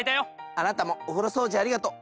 あなたもお風呂掃除ありがとう！